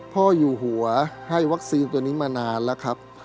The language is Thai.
พ่ออยู่หัวให้วัคซีนตัวนี้มานานแล้วครับ